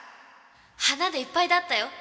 「花でいっぱいだったよ」